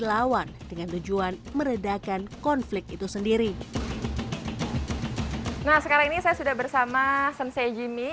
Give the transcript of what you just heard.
lawan dengan tujuan meredakan konflik itu sendiri nah sekarang ini saya sudah bersama san sejimmy